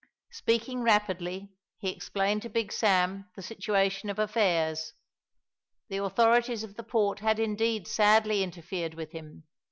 Speaking rapidly, he explained to Big Sam the situation of affairs. The authorities of the port had indeed sadly interfered with him.